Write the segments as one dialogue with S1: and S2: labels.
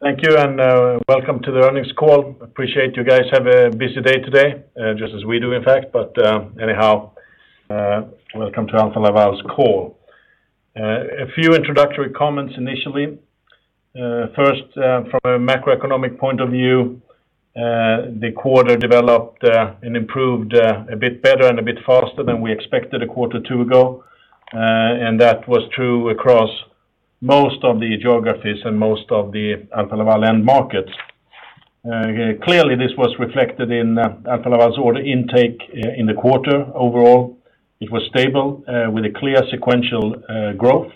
S1: Thank you. Welcome to the earnings call. Appreciate you guys have a busy day today, just as we do, in fact. Anyhow welcome to Alfa Laval's call. A few introductory comments initially. First, from a macroeconomic point of view, the quarter developed and improved a bit better and a bit faster than we expected a quarter or two ago. That was true across most of the geographies and most of the Alfa Laval end markets. Clearly, this was reflected in Alfa Laval's order intake in the quarter overall. It was stable with a clear sequential growth.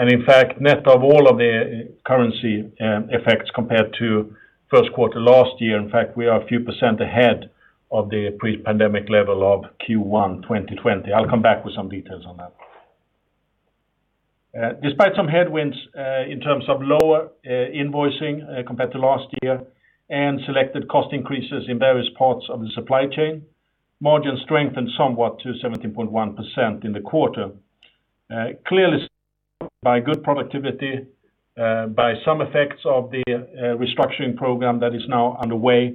S1: In fact net of all of the currency effects compared to first quarter last year. In fact, we are a few percent ahead of the pre-pandemic level of Q1 2020. I'll come back with some details on that. Despite some headwinds in terms of lower invoicing compared to last year and selected cost increases in various parts of the supply chain, margin strengthened somewhat to 17.1% in the quarter. Clearly by good productivity, by some effects of the restructuring program that is now underway,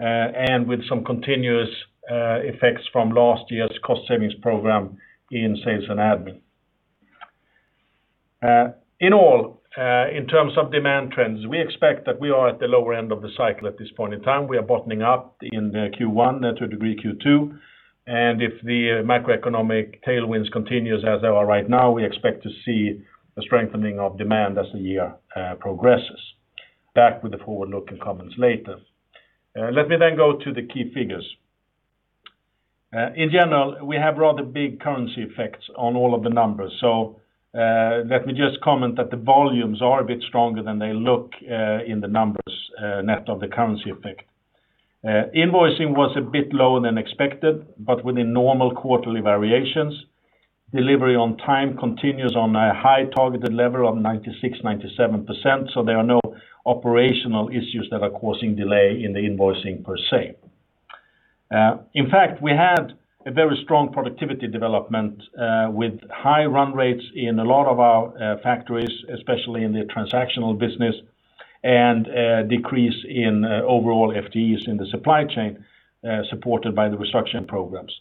S1: and with some continuous effects from last year's cost savings program in sales and admin. In all, in terms of demand trends, we expect that we are at the lower end of the cycle at this point in time. We are bottoming up in the Q1, to a degree Q2, and if the macroeconomic tailwinds continue as they are right now, we expect to see a strengthening of demand as the year progresses. Back with the forward-looking comments later. Let me then go to the key figures. In general, we have rather big currency effects on all of the numbers, so let me just comment that the volumes are a bit stronger than they look in the numbers net of the currency effect. Invoicing was a bit lower than expected, but within normal quarterly variations. Delivery on time continues on a high targeted level of 96, 97%, so there are no operational issues that are causing delay in the invoicing per se. In fact, we had a very strong productivity development with high run rates in a lot of our factories, especially in the transactional business, and a decrease in overall FTEs in the supply chain, supported by the restructuring programs.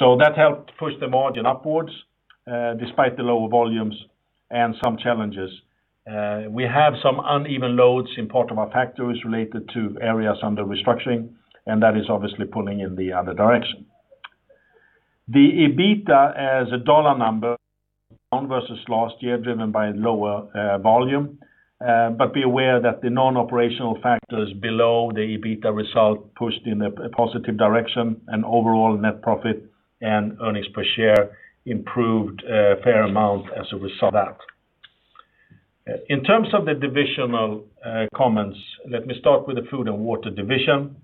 S1: That helped push the margin upwards, despite the lower volumes and some challenges. We have some uneven loads in part of our factories related to areas under restructuring, and that is obviously pulling in the other direction. The EBITDA as a dollar number down versus last year, driven by lower volume, but be aware that the non-operational factors below the EBITDA result pushed in a positive direction and overall net profit and earnings per share improved a fair amount as a result of that. In terms of the divisional comments, let me start with the food and water division.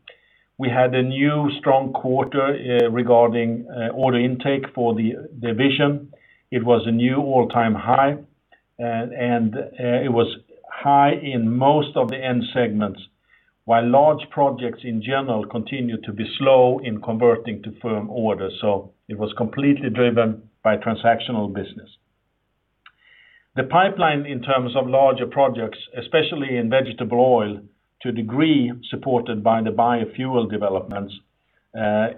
S1: We had a new strong quarter regarding order intake for the division. It was a new all-time high, and it was high in most of the end segments, while large projects in general continued to be slow in converting to firm orders. It was completely driven by transactional business. The pipeline in terms of larger projects, especially in vegetable oil, to a degree supported by the biofuel developments,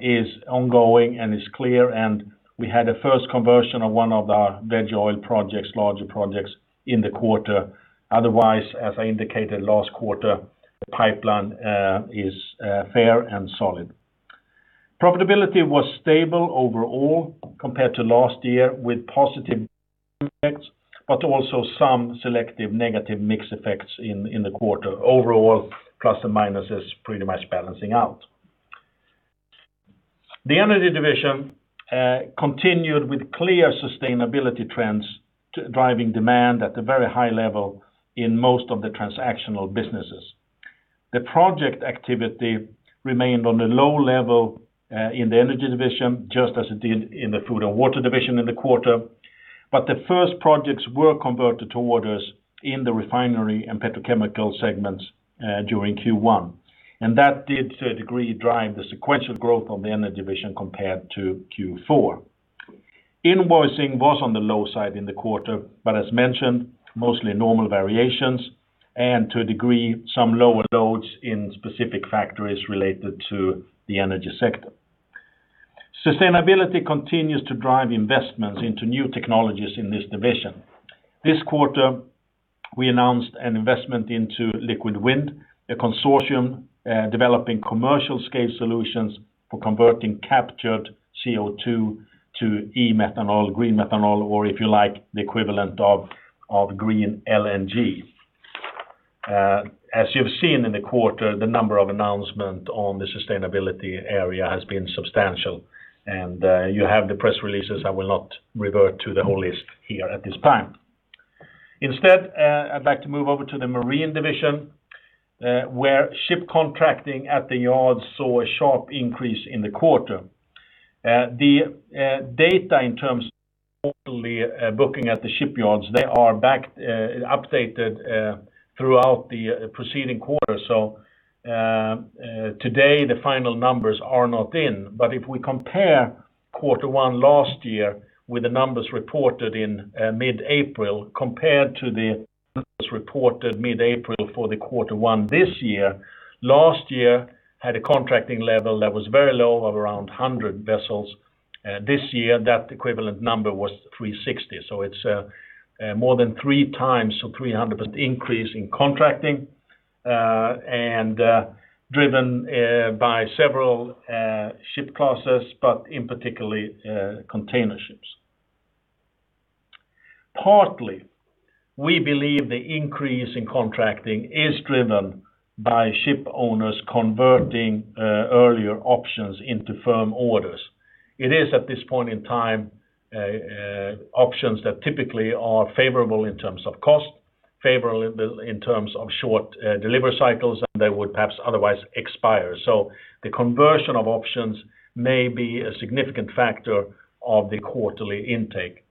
S1: is ongoing and is clear, and we had a first conversion of one of our vegetable oil projects, larger projects, in the quarter. Otherwise, as I indicated last quarter, the pipeline is fair and solid. Profitability was stable overall compared to last year, with positive effects, but also some selective negative mix effects in the quarter. Overall, plus and minus is pretty much balancing out. The Energy Division continued with clear sustainability trends driving demand at a very high level in most of the transactional businesses. The project activity remained on a low level in the Energy Division, just as it did in the Food and Water Division in the quarter. The first projects were converted to orders in the refinery and petrochemical segments during Q1, and that did to a degree drive the sequential growth of the energy division compared to Q4. Invoicing was on the low side in the quarter, as mentioned, mostly normal variations and to a degree some lower loads in specific factories related to the energy sector. Sustainability continues to drive investments into new technologies in this division. This quarter, we announced an investment into Liquid Wind, a consortium developing commercial-scale solutions for converting captured CO2 to e-methanol, green methanol, or if you like, the equivalent of green LNG. As you've seen in the quarter, the number of announcements on the sustainability area has been substantial, and you have the press releases. I will not revert to the whole list here at this time. Instead, I'd like to move over to the marine division, where ship contracting at the yard saw a sharp increase in the quarter. The data in terms of quarterly booking at the shipyards, they are updated throughout the preceding quarter. Today the final numbers are not in, but if we compare quarter 1 last year, with the numbers reported in mid-April compared to the numbers reported mid-April for the quarter 1 this year. Last year had a contracting level that was very low of around 100 vessels. This year, that equivalent number was 360. It's more than three times, so 300% increase in contracting, and driven by several ship classes, but in particular, container ships. Partly, we believe the increase in contracting is driven by ship owners converting earlier options into firm orders. It is at this point in time, options that typically are favorable in terms of cost, favorable in terms of short delivery cycles, and they would perhaps otherwise expire. The conversion of options may be a significant factor of the quarterly intake.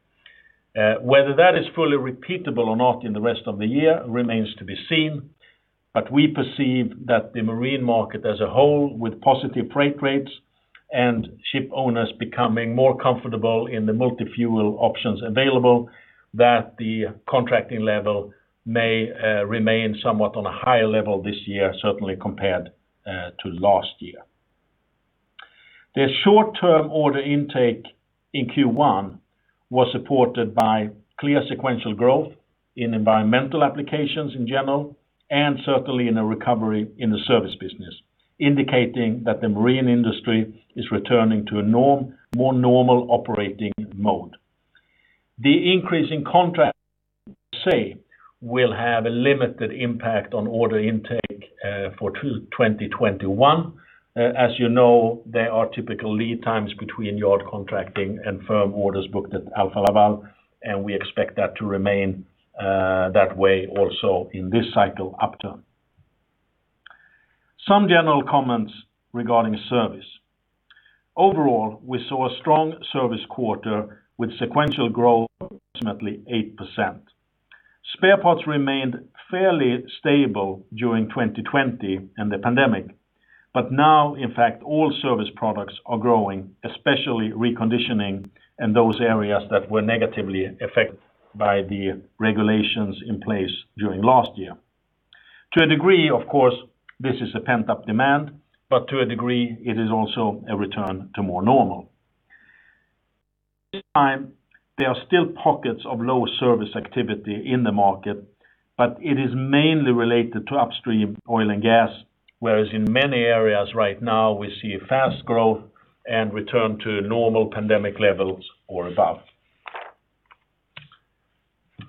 S1: Whether that is fully repeatable or not in the rest of the year remains to be seen. We perceive that the marine market as a whole, with positive freight rates and ship owners becoming more comfortable in the multi-fuel options available, that the contracting level may remain somewhat on a higher level this year, certainly compared to last year. The short-term order intake in Q1 was supported by clear sequential growth in environmental applications in general, and certainly in a recovery in the service business, indicating that the marine industry is returning to a more normal operating mode. The increase in contracts per se will have a limited impact on order intake, for 2021. As you know, there are typical lead times between yard contracting and firm orders booked at Alfa Laval, and we expect that to remain that way also in this cycle upturn. Some general comments regarding service. Overall, we saw a strong service quarter with sequential growth of approximately 8%. Spare parts remained fairly stable during 2020 and the pandemic. Now, in fact, all service products are growing, especially reconditioning in those areas that were negatively affected by the regulations in place during last year. To a degree, of course, this is a pent-up demand, but to a degree, it is also a return to more normal. At this time, there are still pockets of low service activity in the market, but it is mainly related to upstream oil and gas, whereas in many areas right now, we see fast growth and return to normal pandemic levels or above.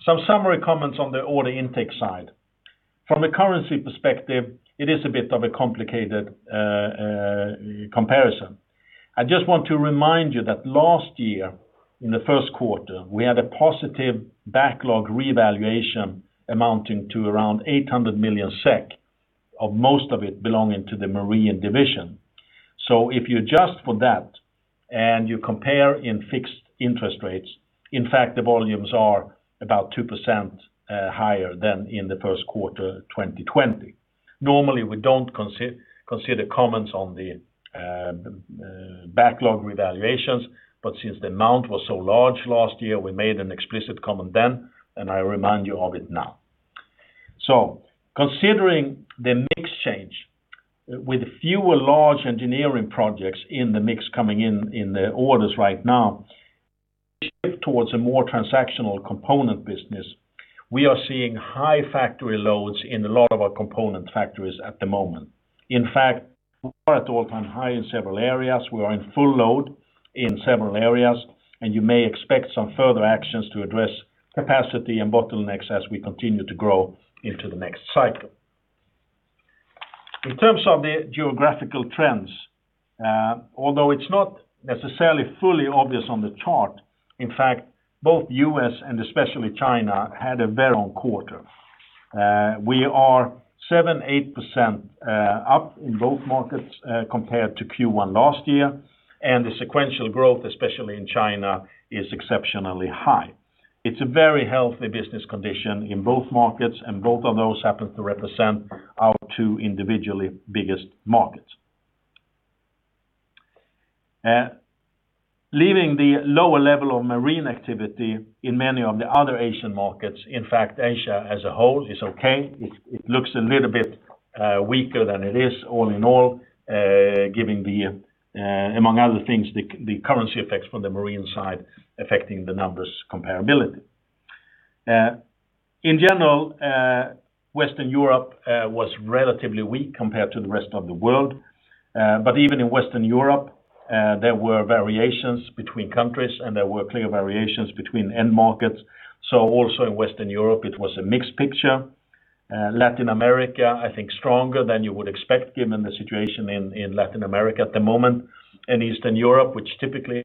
S1: Some summary comments on the order intake side. From a currency perspective, it is a bit of a complicated comparison. I just want to remind you that last year, in the first quarter, we had a positive backlog revaluation amounting to around 800 million SEK, of most of it belonging to the Marine Division. If you adjust for that and you compare in fixed interest rates, in fact, the volumes are about 2% higher than in the first quarter 2020. Normally, we don't consider comments on the backlog revaluations, but since the amount was so large last year, we made an explicit comment then, and I remind you of it now. Considering the mix change, with fewer large engineering projects in the mix coming in the orders right now, we shift towards a more transactional component business. We are seeing high factory loads in a lot of our component factories at the moment. In fact, we are at all-time high in several areas. We are in full load in several areas, and you may expect some further actions to address capacity and bottlenecks as we continue to grow into the next cycle. In terms of the geographical trends, although it's not necessarily fully obvious on the chart, in fact, both U.S. and especially China had a very own quarter. We are 7%-8% up in both markets compared to Q1 last year. The sequential growth, especially in China, is exceptionally high. It's a very healthy business condition in both markets. Both of those happen to represent our two individually biggest markets. Leaving the lower level of marine activity in many of the other Asian markets, in fact, Asia as a whole is okay. It looks a little bit weaker than it is all in all, giving, among other things, the currency effects from the marine side affecting the numbers comparability. In general, Western Europe was relatively weak compared to the rest of the world. Even in Western Europe, there were variations between countries. There were clear variations between end markets. Also in Western Europe, it was a mixed picture. Latin America, I think, stronger than you would expect given the situation in Latin America at the moment. Eastern Europe, which typically has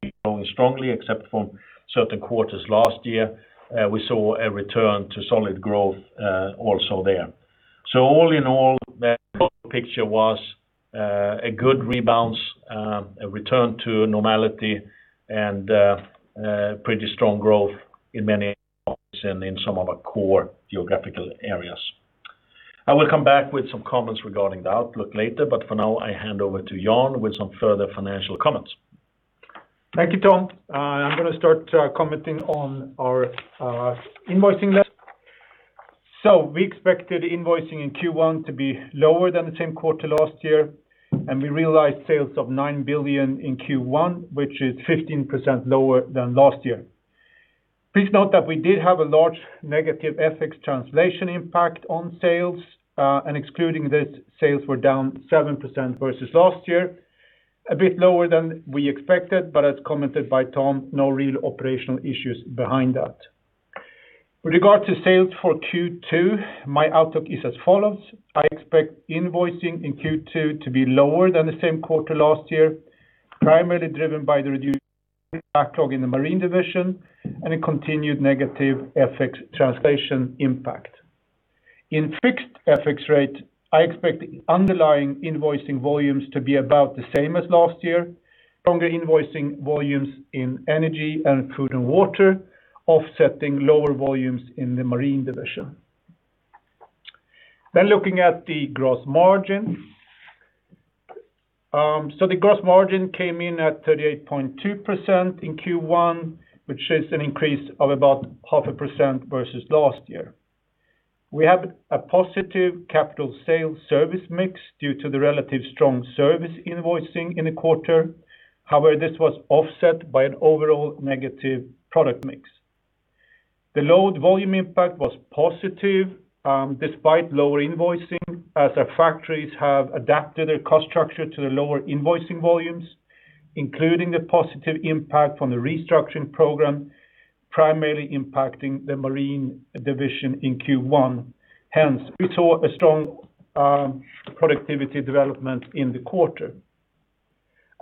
S1: been growing strongly except for certain quarters last year, we saw a return to solid growth, also there. All in all, the overall picture was a good rebound, a return to normality and pretty strong growth in many areas and in some of our core geographical areas. I will come back with some comments regarding the outlook later, but for now, I hand over to Jan with some further financial comments.
S2: Thank you, Tom. I'm going to start commenting on our invoicing level. We expected invoicing in Q1 to be lower than the same quarter last year, and we realized sales of 9 billion in Q1, which is 15% lower than last year. Please note that we did have a large negative FX translation impact on sales. Excluding this, sales were down 7% versus last year, a bit lower than we expected, but as commented by Tom, no real operational issues behind that. With regard to sales for Q2, my outlook is as follows. I expect invoicing in Q2 to be lower than the same quarter last year, primarily driven by the reduced backlog in the Marine division and a continued negative FX translation impact. In fixed FX rate, I expect underlying invoicing volumes to be about the same as last year. Stronger invoicing volumes in Energy and Food and Water offsetting lower volumes in the Marine division. Looking at the gross margin. The gross margin came in at 38.2% in Q1, which is an increase of about 0.5% versus last year. We have a positive capital sales service mix due to the relative strong service invoicing in the quarter. However, this was offset by an overall negative product mix. The load volume impact was positive despite lower invoicing, as our factories have adapted their cost structure to the lower invoicing volumes, including the positive impact from the restructuring program, primarily impacting the Marine division in Q1. Hence, we saw a strong productivity development in the quarter.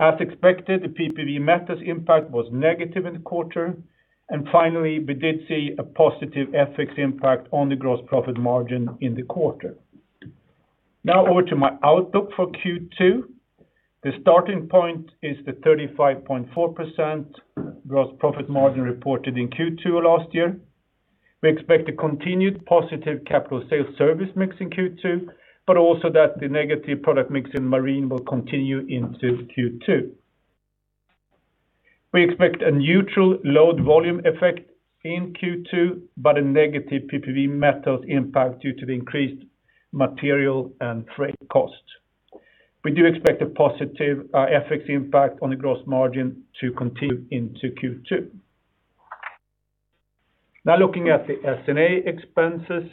S2: As expected, the PPV metals impact was negative in the quarter, and finally, we did see a positive FX impact on the gross profit margin in the quarter. Over to my outlook for Q2. The starting point is the 35.4% gross profit margin reported in Q2 last year. We expect a continued positive capital sales service mix in Q2, also that the negative product mix in Marine will continue into Q2. We expect a neutral load volume effect in Q2, a negative PPV metal impact due to the increased material and trade costs. We do expect a positive FX impact on the gross margin to continue into Q2. Looking at the S&A expenses.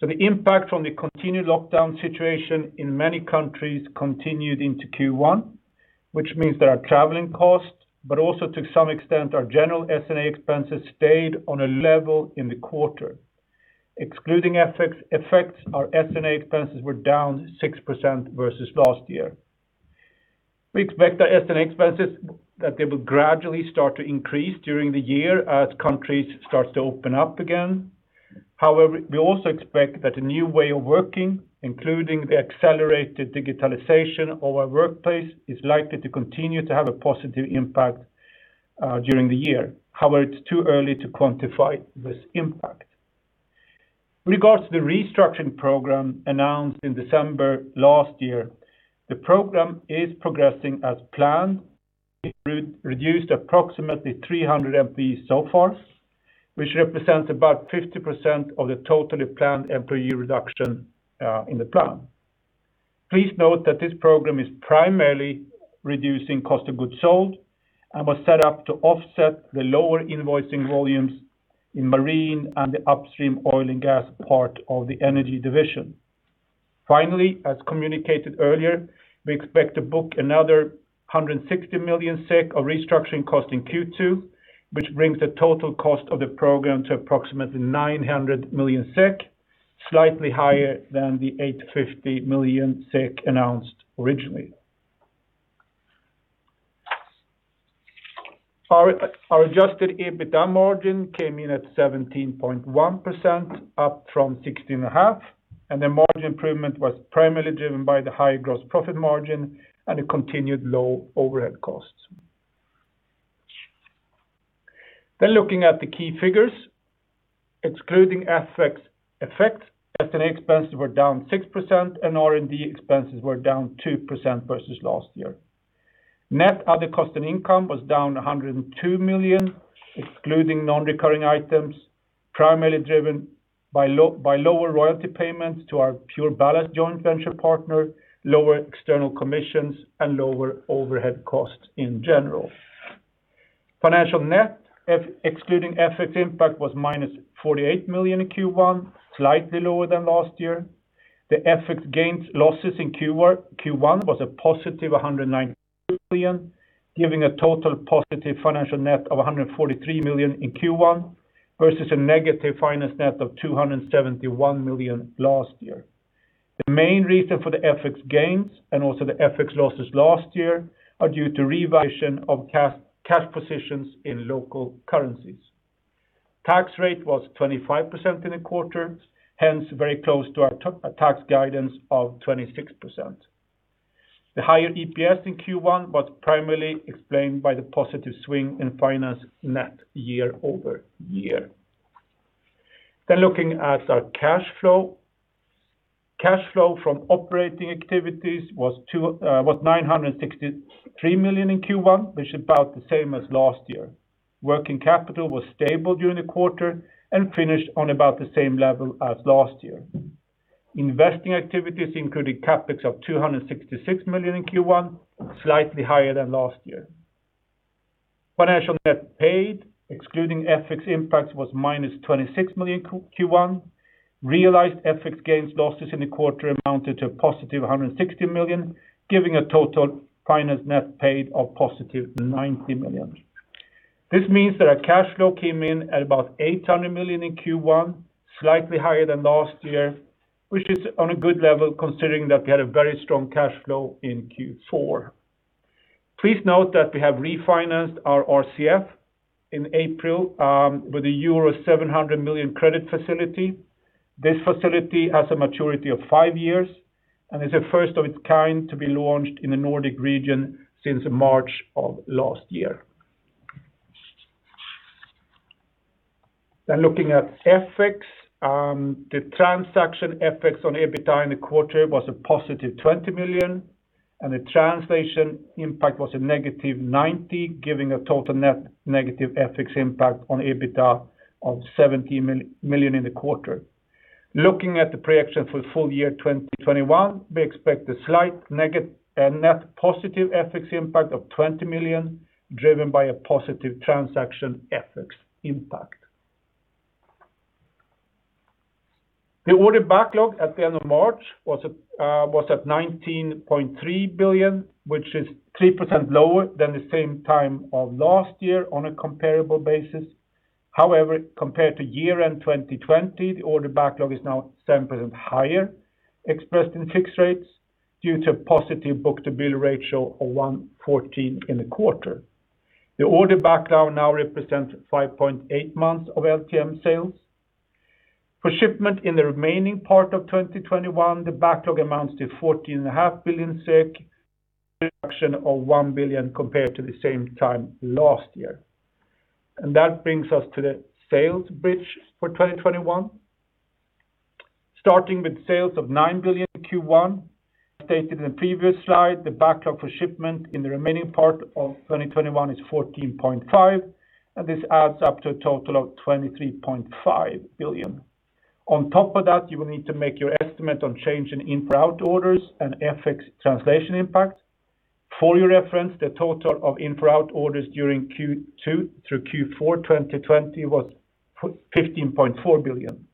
S2: The impact from the continued lockdown situation in many countries continued into Q1, which means that our traveling costs, but also to some extent our general S&A expenses stayed on a level in the quarter. Excluding FX effects, our S&A expenses were down 6% versus last year. We expect our S&A expenses that they will gradually start to increase during the year as countries start to open up again. However, we also expect that a new way of working, including the accelerated digitalization of our workplace, is likely to continue to have a positive impact during the year. However, it's too early to quantify this impact. With regards to the restructuring program announced in December last year, the program is progressing as planned. It reduced approximately 300 FTEs so far, which represents about 50% of the total planned employee reduction in the plan. Please note that this program is primarily reducing cost of goods sold and was set up to offset the lower invoicing volumes in Marine and the upstream oil and gas part of the Energy division. Finally, as communicated earlier, we expect to book another 160 million SEK of restructuring cost in Q2, which brings the total cost of the program to approximately 900 million SEK, slightly higher than the 850 million SEK announced originally. Our Adjusted EBITDA margin came in at 17.1%, up from 16.5%, and the margin improvement was primarily driven by the high gross profit margin and the continued low overhead costs. Looking at the key figures, excluding FX effects, S&A expenses were down 6% and R&D expenses were down 2% versus last year. Net other cost and income was down 102 million, excluding non-recurring items, primarily driven by lower royalty payments to our PureBallast joint venture partner, lower external commissions, and lower overhead costs in general. Financial net, excluding FX impact, was -48 million in Q1, slightly lower than last year. The FX gains losses in Q1 was a +109 million, giving a total positive financial net of 143 million in Q1, versus a negative finance net of 271 million last year. The main reason for the FX gains and also the FX losses last year are due to revision of cash positions in local currencies. Tax rate was 25% in the quarter, hence very close to our tax guidance of 26%. The higher EPS in Q1 was primarily explained by the positive swing in finance net year-over-year. Looking at our cash flow. Cash flow from operating activities was 963 million in Q1, which is about the same as last year. Working capital was stable during the quarter and finished on about the same level as last year. Investing activities included CapEx of 266 million in Q1, slightly higher than last year. Financial net paid, excluding FX impacts, was -26 million Q1. Realized FX gains losses in the quarter amounted to a +160 million, giving a total finance net paid of +90 million. This means that our cash flow came in at about 800 million in Q1, slightly higher than last year, which is on a good level considering that we had a very strong cash flow in Q4. Please note that we have refinanced our RCF in April with a euro 700 million credit facility. This facility has a maturity of five years and is the first of its kind to be launched in the Nordic region since March of last year. Looking at FX. The transaction FX on EBITDA in the quarter was a +20 million, and the translation impact was a -90 million, giving a total net negative FX impact on EBITDA of 70 million in the quarter. Looking at the projection for full year 2021, we expect a slight net positive FX impact of 20 million, driven by a positive transaction FX impact. The order backlog at the end of March was at 19.3 billion, which is 3% lower than the same time of last year on a comparable basis. Compared to year-end 2020, the order backlog is now 7% higher expressed in fixed rates due to positive book-to-bill ratio of 114 in the quarter. The order backlog now represents 5.8 months of LTM sales. For shipment in the remaining part of 2021, the backlog amounts to 14.5 billion SEK, a reduction of 1 billion compared to the same time last year. That brings us to the sales bridge for 2021. Starting with sales of 9 billion Q1. As stated in the previous slide, the backlog for shipment in the remaining part of 2021 is 14.5 billion, and this adds up to a total of 23.5 billion. On top of that, you will need to make your estimate on change in in-quarter orders and FX translation impact. For your reference, the total of in-quarter orders during Q2 through Q4 2020 was 15.4 billion.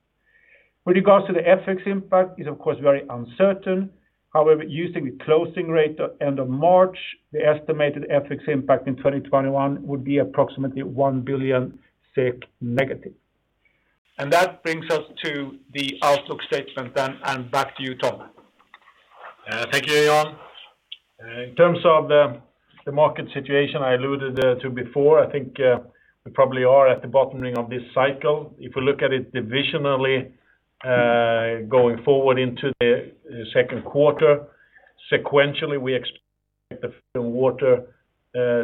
S2: With regards to the FX impact, it is of course very uncertain. However, using the closing rate at end of March, the estimated FX impact in 2021 would be approximately -1 billion SEK. That brings us to the outlook statement then, and back to you, Tom.
S1: Thank you, Jan In terms of the market situation I alluded to before, I think we probably are at the bottom ring of this cycle. If we look at it divisionally going forward into the second quarter, sequentially, we expect the Food and Water division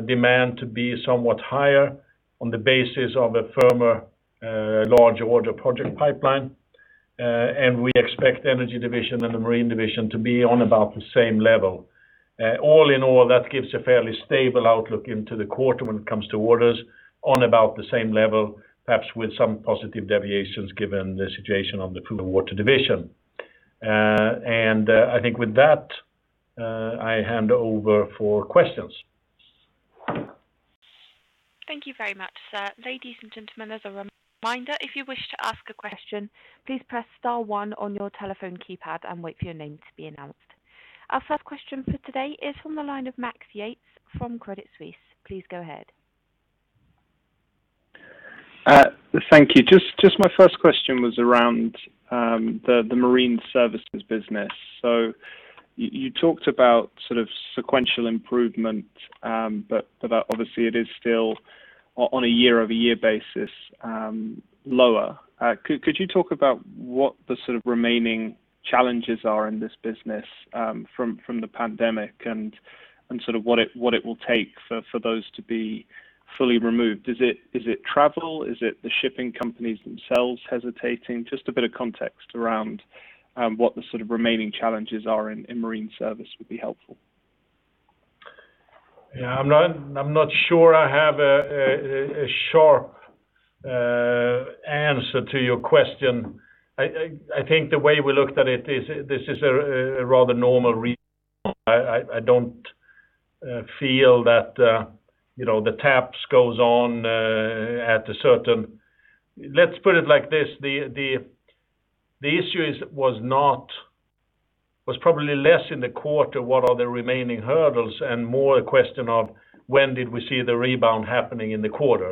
S1: demand to be somewhat higher on the basis of a firmer large order project pipeline. We expect Energy division and the Marine division to be on about the same level. All in all, that gives a fairly stable outlook into the quarter when it comes to orders on about the same level, perhaps with some positive deviations given the situation on the Food and Water division. I think with that, I hand over for questions.
S3: Thank you very much, sir. Ladies and gentlemen, as a reminder, if you wish to ask a question, please press star one on your telephone keypad and wait for your name to be announced. Our first question for today is from the line of Max Yates from Credit Suisse. Please go ahead.
S4: Thank you. Just my first question was around the Marine services business. You talked about sequential improvement, but obviously it is still on a year-over-year basis lower. Could you talk about what the remaining challenges are in this business from the pandemic and what it will take for those to be fully removed? Is it travel? Is it the shipping companies themselves hesitating? Just a bit of context around what the remaining challenges are in Marine service would be helpful.
S1: I'm not sure I have a sharp answer to your question. I think the way we looked at it is this is a rather normal rebound. I don't feel that the taps goes on. Let's put it like this. The issue was probably less in the quarter, what are the remaining hurdles and more a question of when did we see the rebound happening in the quarter?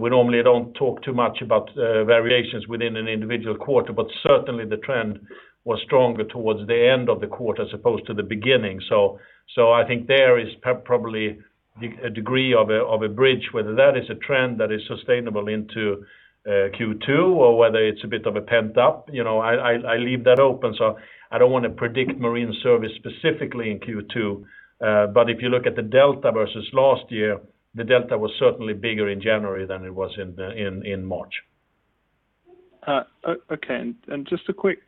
S1: We normally don't talk too much about variations within an individual quarter, but certainly the trend was stronger towards the end of the quarter as opposed to the beginning. A degree of a bridge, whether that is a trend that is sustainable into Q2 or whether it's a bit of a pent up. I leave that open. I don't want to predict marine service specifically in Q2. If you look at the delta versus last year, the delta was certainly bigger in January than it was in March.
S4: Okay. Just a quick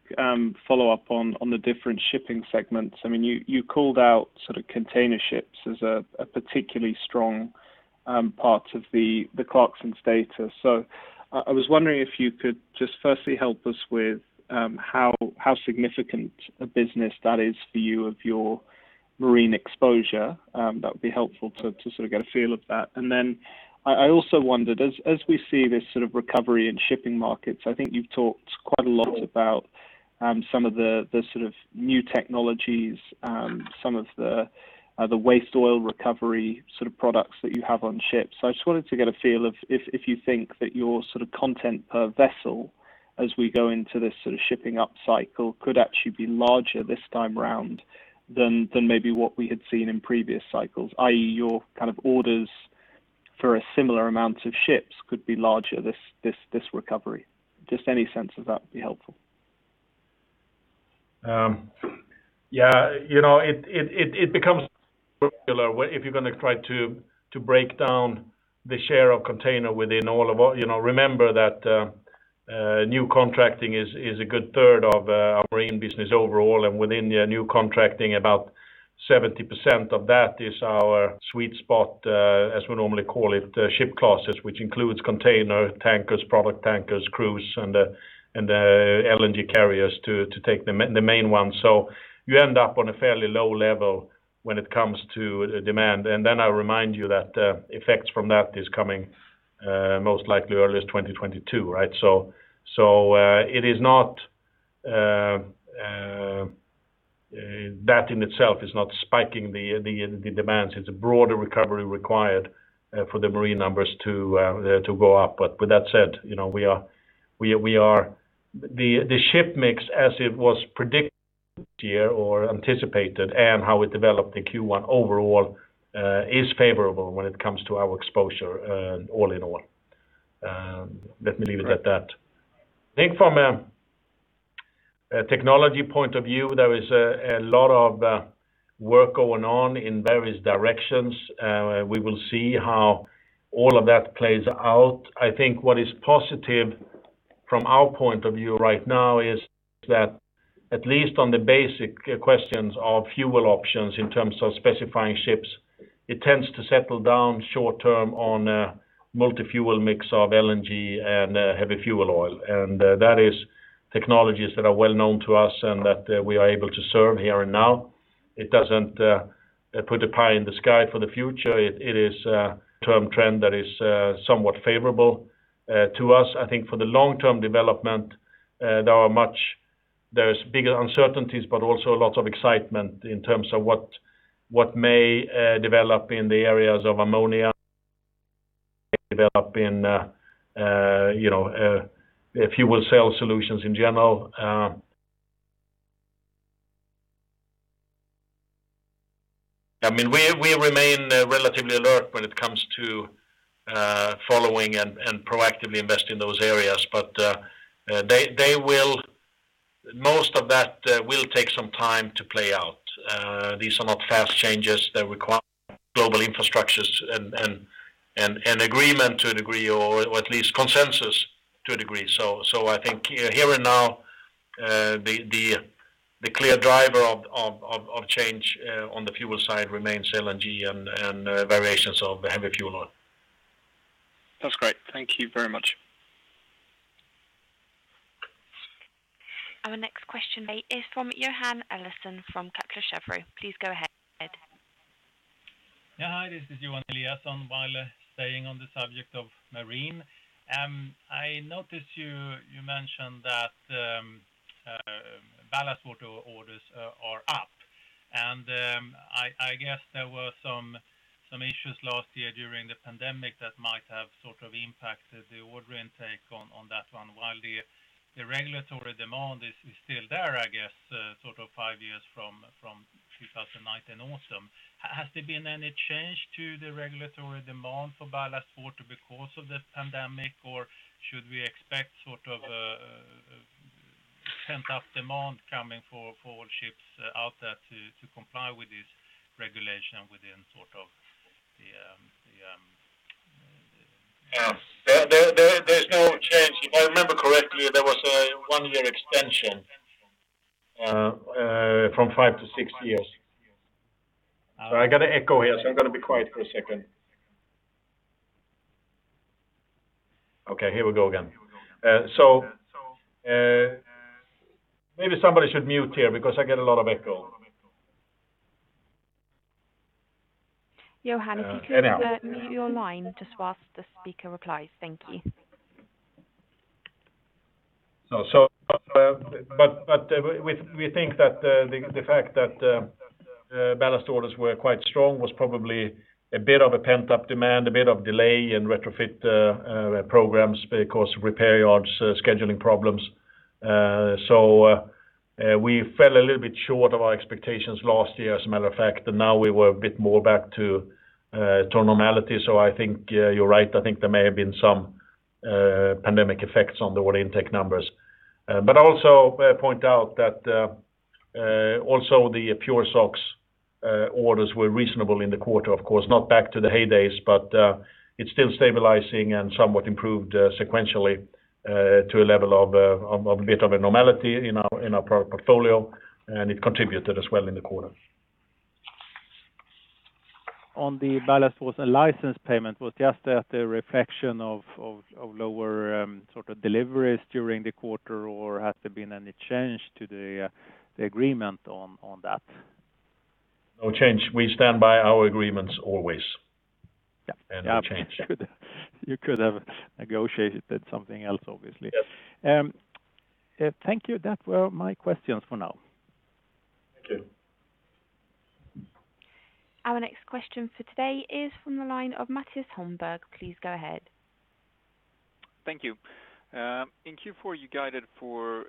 S4: follow-up on the different shipping segments. You called out container ships as a particularly strong part of the Clarksons data. I was wondering if you could just firstly help us with how significant a business that is for you of your marine exposure. That would be helpful to get a feel of that. I also wondered, as we see this recovery in shipping markets, I think you've talked quite a lot about some of the new technologies, some of the waste oil recovery products that you have on ships. I just wanted to get a feel of if you think that your content per vessel as we go into this shipping up cycle could actually be larger this time round than maybe what we had seen in previous cycles, i.e., your orders for a similar amount of ships could be larger this recovery. Just any sense of that would be helpful.
S1: It becomes circular if you're going to try to break down the share of container. Remember that new contracting is a good third of our marine business overall. Within new contracting, about 70% of that is our sweet spot, as we normally call it, ship classes, which includes container tankers, product tankers, cruise, and LNG carriers to take the main ones. You end up on a fairly low level when it comes to demand. I remind you that effects from that is coming most likely earliest 2022, right? That in itself is not spiking the demands. It's a broader recovery required for the marine numbers to go up. With that said, the ship mix as it was predicted this year or anticipated and how it developed in Q1 overall is favorable when it comes to our exposure all in all. Let me leave it at that. I think from a technology point of view, there is a lot of work going on in various directions. We will see how all of that plays out. I think what is positive from our point of view right now is that at least on the basic questions of fuel options in terms of specifying ships, it tends to settle down short term on a multi-fuel mix of LNG and heavy fuel oil. That is technologies that are well known to us and that we are able to serve here and now. It doesn't put a pie in the sky for the future. It is a term trend that is somewhat favorable to us. I think for the long-term development, there is bigger uncertainties, but also a lot of excitement in terms of what may develop in the areas of ammonia, may develop in fuel cell solutions in general. We remain relatively alert when it comes to following and proactively invest in those areas. Most of that will take some time to play out. These are not fast changes that require global infrastructures and agreement to a degree, or at least consensus to a degree. I think here and now, the clear driver of change on the fuel side remains LNG and variations of heavy fuel oil.
S4: That's great. Thank you very much.
S3: Our next question is from Johan Eliason from Kepler Cheuvreux. Please go ahead.
S5: Yeah. Hi, this is Johan Eliason. While staying on the subject of marine, I noticed you mentioned that ballast water orders are up, and I guess there were some issues last year during the pandemic that might have sort of impacted the order intake on that one while the regulatory demand is still there, I guess, five years from 2019 autumn. Has there been any change to the regulatory demand for ballast water because of the pandemic, or should we expect sort of a pent-up demand coming for all ships out there to comply with this regulation within?
S1: There's no change. If I remember correctly, there was a one-year extension from five to six years. Sorry, I got an echo here, so I'm going to be quiet for a second. Okay, here we go again. Maybe somebody should mute here because I get a lot of echo.
S3: Johan.
S1: Anyhow
S3: Mute your line just while the speaker replies. Thank you.
S1: We think that the fact that PureBallast orders were quite strong was probably a bit of a pent-up demand, a bit of delay in retrofit programs because of repair yards scheduling problems. We fell a little bit short of our expectations last year, as a matter of fact, and now we were a bit more back to normality. I think you're right. I think there may have been some pandemic effects on the order intake numbers. Also, I point out that also the PureSOx orders were reasonable in the quarter. Of course, not back to the heydays, but it's still stabilizing and somewhat improved sequentially, to a level of a bit of a normality in our product portfolio, and it contributed as well in the quarter.
S5: On the ballast was a license payment. Was just that a reflection of lower deliveries during the quarter, or has there been any change to the agreement on that?
S1: No change. We stand by our agreements always.
S5: Yeah.
S1: Any change.
S5: You could have negotiated something else, obviously.
S1: Yes.
S5: Thank you. Those were my questions for now.
S1: Thank you.
S3: Our next question for today is from the line of Mattias Holmberg. Please go ahead.
S6: Thank you. In Q4, you guided for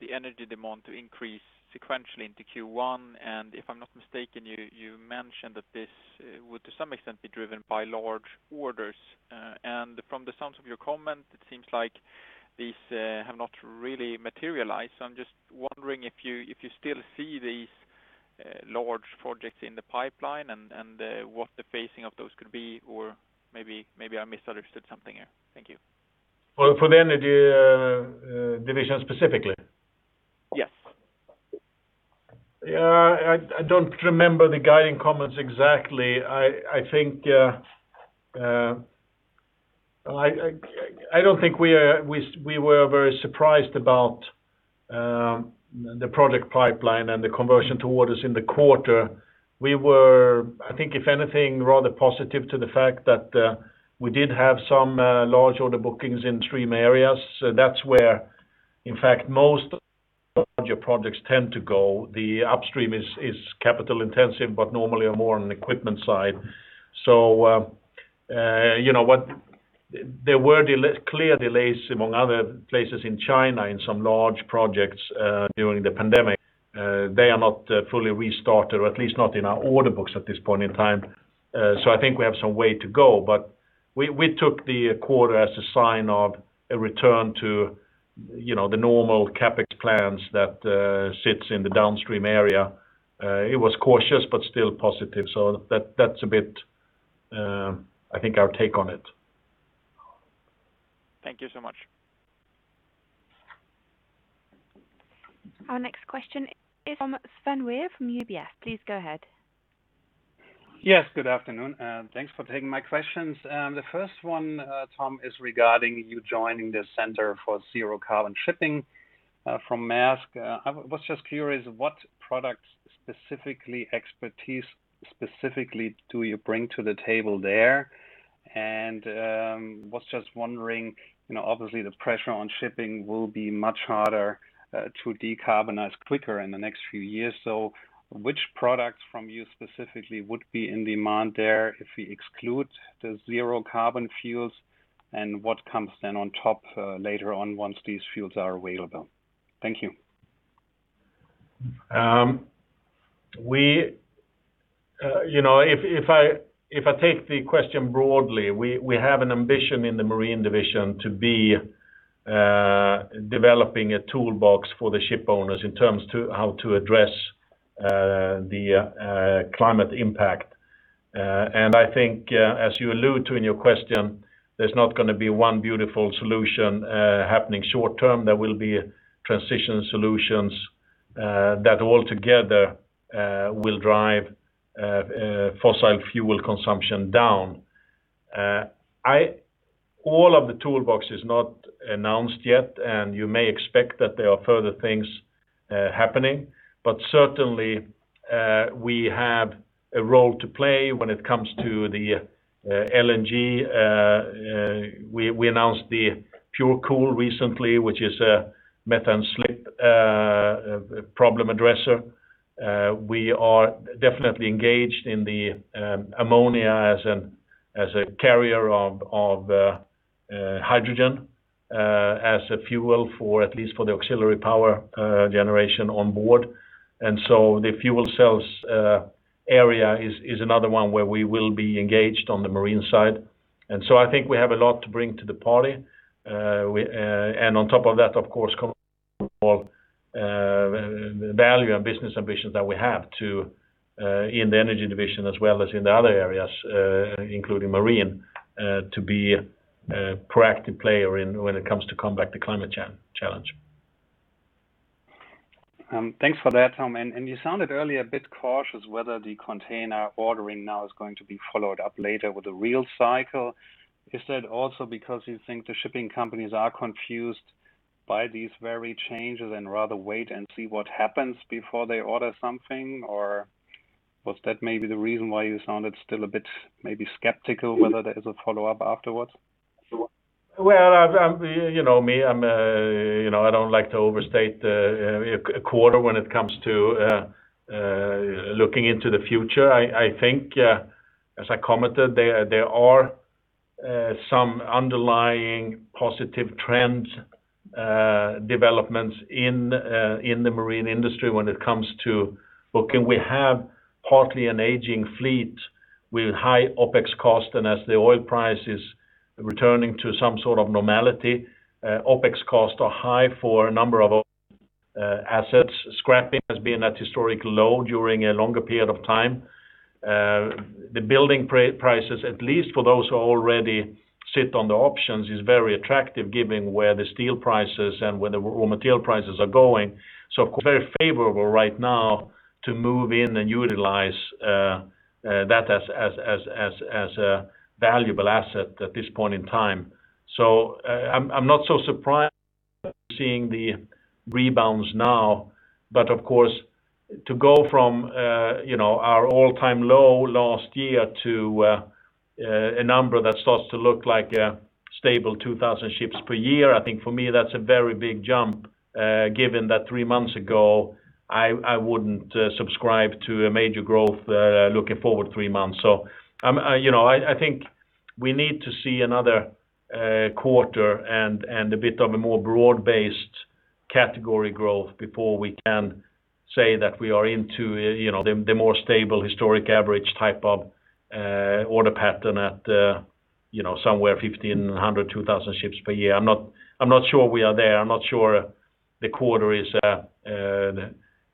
S6: the energy demand to increase sequentially into Q1, and if I'm not mistaken, you mentioned that this would, to some extent, be driven by large orders. From the sounds of your comment, it seems like these have not really materialized. I'm just wondering if you still see these large projects in the pipeline and what the phasing of those could be, or maybe I misunderstood something here. Thank you.
S1: For the energy division specifically?
S6: Yes.
S1: I don't remember the guiding comments exactly. I don't think we were very surprised about the project pipeline and the conversion to orders in the quarter. We were, I think if anything, rather positive to the fact that we did have some large order bookings in stream areas. That's where, in fact, most projects tend to go. The upstream is capital-intensive, but normally are more on the equipment side. There were clear delays among other places in China in some large projects during the pandemic. They are not fully restarted, or at least not in our order books at this point in time. I think we have some way to go, but we took the quarter as a sign of a return to the normal CapEx plans that sits in the downstream area. It was cautious, but still positive. That's a bit, I think, our take on it.
S6: Thank you so much.
S3: Our next question is from Sven Weier from UBS. Please go ahead.
S7: Yes, good afternoon. Thanks for taking my questions. The first one, Tom, is regarding you joining the Center for Zero-Carbon Shipping from Maersk. I was just curious, what products specifically, expertise specifically, do you bring to the table there? Was just wondering, obviously the pressure on shipping will be much harder to decarbonize quicker in the next few years. Which products from you specifically would be in demand there if we exclude the zero carbon fuels, and what comes then on top later on once these fuels are available? Thank you.
S1: If I take the question broadly, we have an ambition in the marine division to be developing a toolbox for the ship owners in terms to how to address the climate impact. I think, as you allude to in your question, there's not going to be one beautiful solution happening short term. There will be transition solutions that altogether will drive fossil fuel consumption down. All of the toolbox is not announced yet. You may expect that there are further things happening. Certainly, we have a role to play when it comes to the LNG. We announced the PureCool recently, which is a methane slip problem addresser. We are definitely engaged in the ammonia as a carrier of hydrogen as a fuel, at least for the auxiliary power generation on board. The fuel cells area is another one where we will be engaged on the marine side. I think we have a lot to bring to the party. On top of that, of course, value and business ambitions that we have too, in the energy division as well as in the other areas, including marine, to be a proactive player when it comes to combat the climate challenge.
S7: Thanks for that, Tom. You sounded earlier a bit cautious whether the container ordering now is going to be followed up later with a real cycle. Is that also because you think the shipping companies are confused by these very changes and rather wait and see what happens before they order something? Was that maybe the reason why you sounded still a bit maybe skeptical whether there is a follow-up afterwards?
S1: Well, you know me. I don't like to overstate a quarter when it comes to looking into the future. I think, as I commented, there are some underlying positive trend developments in the marine industry when it comes to, well, can we have partly an aging fleet with high OpEx cost and as the oil price is returning to some sort of normality, OpEx costs are high for a number of assets. Scrapping has been at a historic low during a longer period of time. The building prices, at least for those who already sit on the options, is very attractive given where the steel prices and where the raw material prices are going. Very favorable right now to move in and utilize that as a valuable asset at this point in time. I'm not so surprised seeing the rebounds now, but of course, to go from our all-time low last year to a number that starts to look like a stable 2,000 ships per year, I think for me, that's a very big jump, given that three months ago, I wouldn't subscribe to a major growth, looking forward three months. I think we need to see another quarter and a bit of a more broad-based category growth before we can say that we are into the more stable historic average type of order pattern at somewhere 1,500, 2,000 ships per year. I'm not sure we are there. I'm not sure the quarter is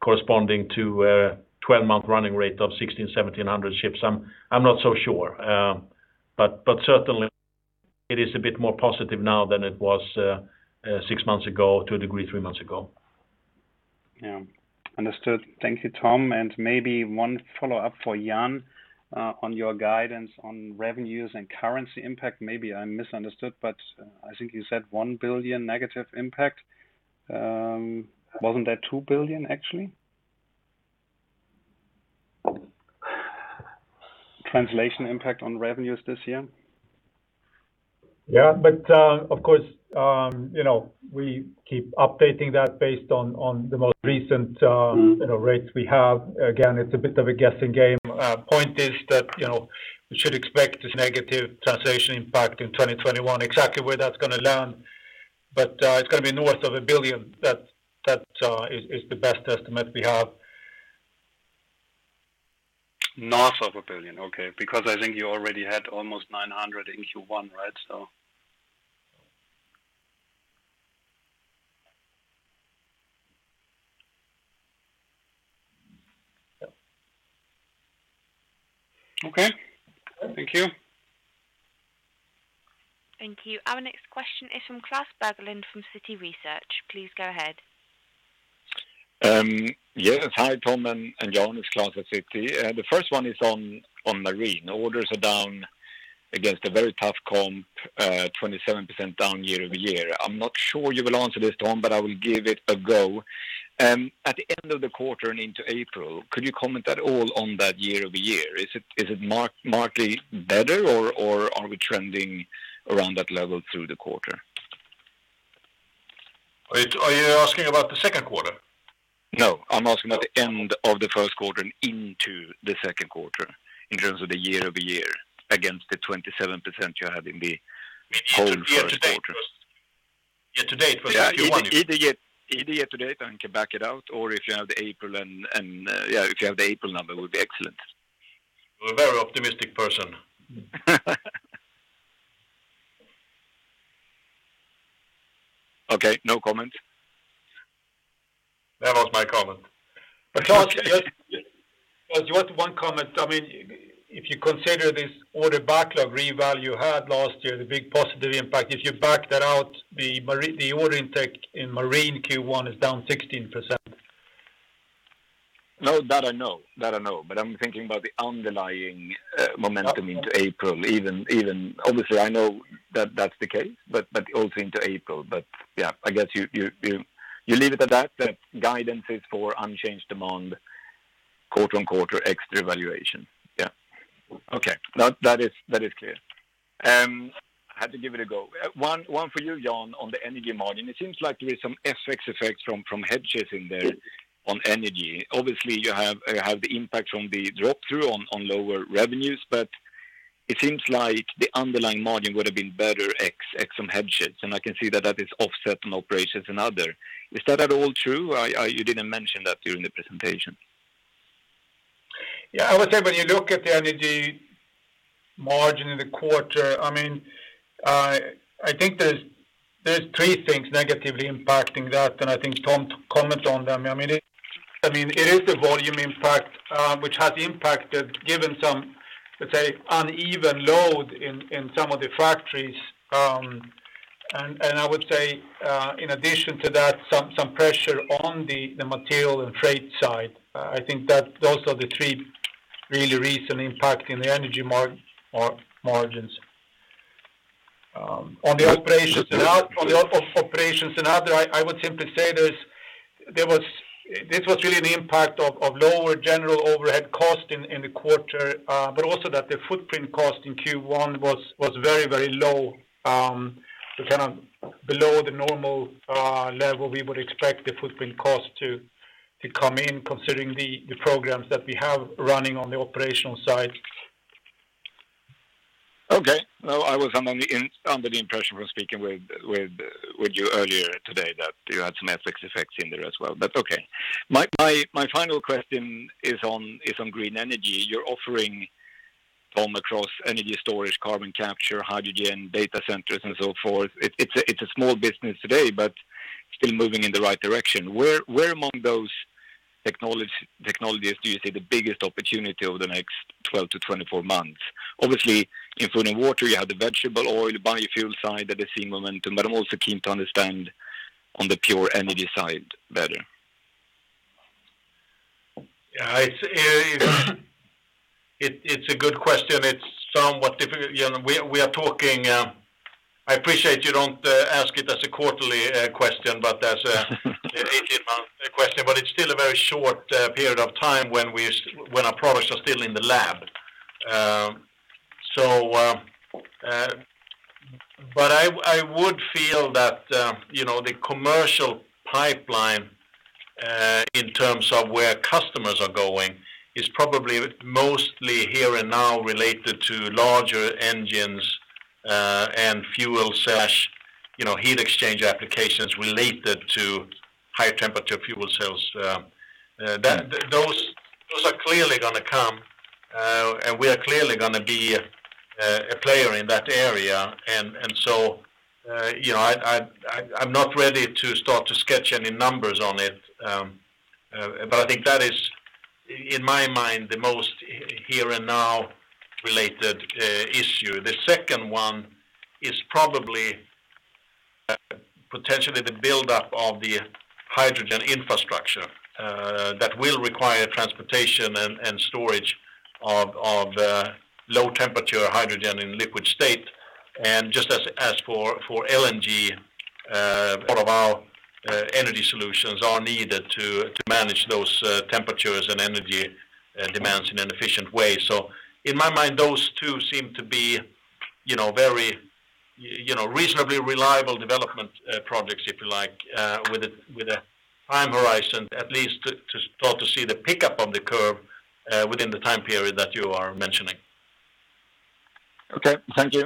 S1: corresponding to a 12-month running rate of 16, 1,700 ships. I'm not so sure. Certainly, it is a bit more positive now than it was six months ago, to a degree, three months ago.
S7: Yeah. Understood. Thank you, Tom. Maybe one follow-up for Jan, on your guidance on revenues and currency impact, maybe I misunderstood, but I think you said 1 billion negative impact. Wasn't that 2 billion actually, translation impact on revenues this year?
S2: Yeah, of course, we keep updating that based on the most recent rates we have. Again, it's a bit of a guessing game. Point is that we should expect this negative translation impact in 2021, exactly where that's going to land. It's going to be north of 1 billion. That is the best estimate we have.
S7: North of 1 billion. Okay. I think you already had almost 900 million in Q1, right? Okay. Thank you.
S3: Thank you. Our next question is from Klas Bergelind from Citi Research. Please go ahead.
S8: Hi, Tom and Jan. It's Klas at Citi. The first one is on Marine. Orders are down against a very tough comp, 27% down year-over-year. I'm not sure you will answer this, Tom, but I will give it a go. At the end of the quarter and into April, could you comment at all on that year-over-year? Is it markedly better or are we trending around that level through the quarter?
S1: Are you asking about the second quarter?
S8: I'm asking about the end of the first quarter and into the second quarter, in terms of the year-over-year against the 27% you had in the whole first quarter.
S1: Year-to-date for the Q1.
S8: Yeah. Either year-to-date and can back it out, or if you have the April number, would be excellent.
S1: You're a very optimistic person.
S8: Okay. No comment.
S1: That was my comment.
S2: Klas, just one comment. If you consider this order backlog revalue you had last year, the big positive impact, if you back that out, the order intake in Marine Q1 is down 16%.
S8: No, that I know. I'm thinking about the underlying momentum into April. Obviously, I know that that's the case, but also into April. Yeah, I guess you leave it at that guidance is for unchanged demand quarter on quarter ex revaluation. Yeah. Okay. That is clear. I had to give it a go. One for you, Jan, on the energy margin. It seems like there's some FX effects from hedges in there on energy. Obviously, you have the impact from the drop-through on lower revenues, but it seems like the underlying margin would have been better ex on hedges. I can see that that is offset on operations and other. Is that at all true? You didn't mention that during the presentation.
S2: I would say when you look at the energy margin in the quarter, I think there's three things negatively impacting that, and I think Tom commented on them. It is the volume impact, which has impacted given some, let's say, uneven load in some of the factories. I would say, in addition to that, some pressure on the material and trade side. I think those are the three really reasons impacting the energy margins. On the operations and other, I would simply say this was really an impact of lower general overhead cost in the quarter, but also that the footprint cost in Q1 was very low, below the normal level we would expect the footprint cost. To come in considering the programs that we have running on the operational side.
S8: Okay. No, I was under the impression from speaking with you earlier today that you had some FX effects in there as well. Okay. My final question is on green energy you're offering from across energy storage, carbon capture, hydrogen, data centers, and so forth. It's a small business today, but still moving in the right direction. Where among those technologies do you see the biggest opportunity over the next 12 to 24 months? Obviously, in food and water, you have the vegetable oil, biofuel side that is seeing momentum, but I'm also keen to understand on the pure energy side better.
S1: Yeah. It's a good question. It's somewhat difficult. I appreciate you don't ask it as a quarterly question, but as an 18-month question, but it's still a very short period of time when our products are still in the lab. I would feel that the commercial pipeline, in terms of where customers are going, is probably mostly here and now related to larger engines, and fuel/heat exchange applications related to high-temperature fuel cells. Those are clearly going to come, and we are clearly going to be a player in that area. I'm not ready to start to sketch any numbers on it. I think that is, in my mind, the most here-and-now related issue. The second one is probably potentially the buildup of the hydrogen infrastructure, that will require transportation and storage of low-temperature hydrogen in liquid state. Just as for LNG, a lot of our energy solutions are needed to manage those temperatures and energy demands in an efficient way. In my mind, those two seem to be reasonably reliable development projects, if you like, with a time horizon, at least to start to see the pickup of the curve within the time period that you are mentioning.
S8: Okay. Thank you.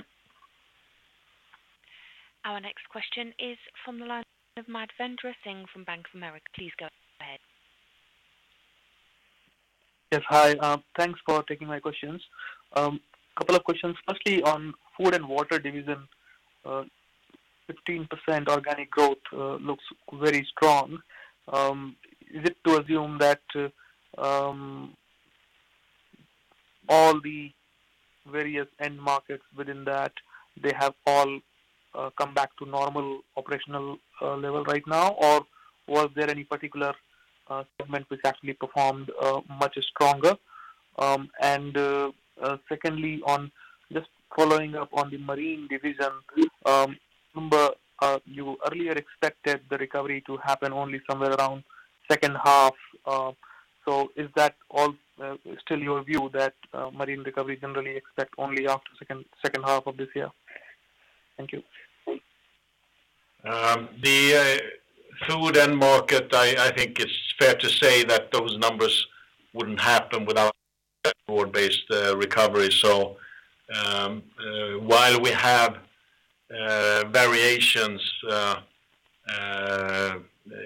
S3: Our next question is from the line of Madhavendra Singh from Bank of America. Please go ahead.
S9: Yes. Hi. Thanks for taking my questions. Couple of questions. Firstly, on Food and Water division, 15% organic growth looks very strong. Is it to assume that all the various end markets within that, they have all come back to normal operational level right now, or was there any particular segment which actually performed much stronger? Secondly, on just following up on the Marine division number, you earlier expected the recovery to happen only somewhere around second half. Is that all still your view that Marine recovery can really expect only after second half of this year? Thank you.
S1: The food end market, I think it's fair to say that those numbers wouldn't happen without broad-based recovery. While we have variations in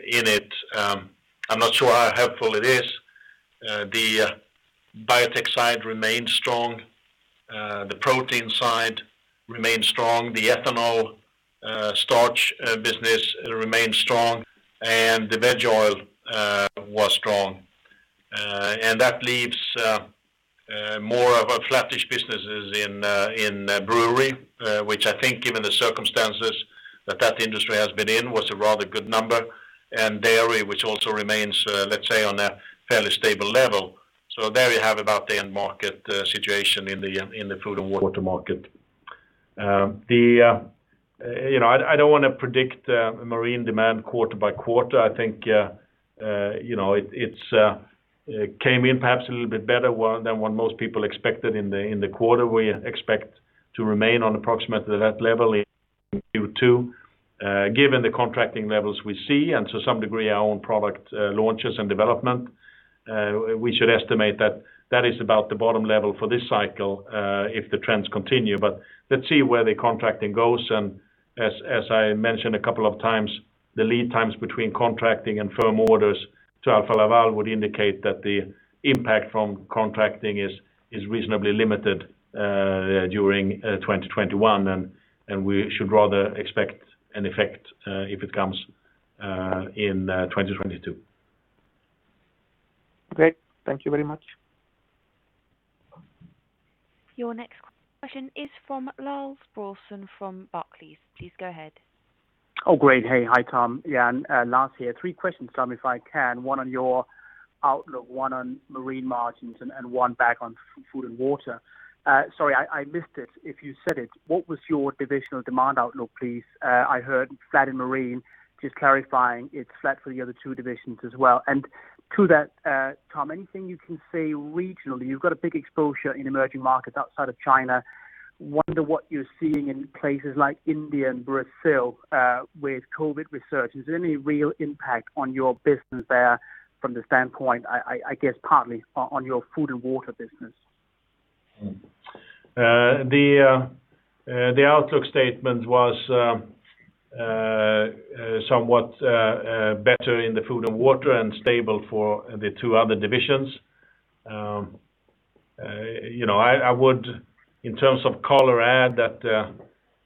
S1: it, I'm not sure how helpful it is. The biotech side remains strong. The protein side remains strong. The ethanol starch business remains strong, and the veg oil was strong. That leaves more of a flattish businesses in brewery, which I think given the circumstances that that industry has been in, was a rather good number. Dairy, which also remains, let's say, on a fairly stable level. There you have about the end market situation in the food and water market. I don't want to predict Marine demand quarter by quarter. I think it came in perhaps a little bit better than what most people expected in the quarter. We expect to remain on approximately that level in Q2 given the contracting levels we see, and to some degree, our own product launches and development. We should estimate that that is about the bottom level for this cycle, if the trends continue. Let's see where the contracting goes, and as I mentioned a couple of times, the lead times between contracting and firm orders to Alfa Laval would indicate that the impact from contracting is reasonably limited during 2021, and we should rather expect an effect if it comes in 2022.
S9: Great. Thank you very much.
S3: Your next question is from Lars Brorson from Barclays. Please go ahead.
S10: Oh, great. Hey. Hi, Tom. Yeah. Lars here. Three questions, Tom, if I can. One on your outlook, one on Marine margins, and one back on Food & Water. Sorry, I missed it if you said it. What was your divisional demand outlook, please? I heard flat in Marine. Just clarifying it's flat for the other two divisions as well. To that, Tom, anything you can say regionally? You've got a big exposure in emerging markets outside of China. Wonder what you're seeing in places like India and Brazil, with COVID resurging. Is there any real impact on your business there from the standpoint, I guess partly, on your Food & Water business?
S1: The outlook statement was somewhat better in the Food & Water, and stable for the two other divisions. I would, in terms of color, add that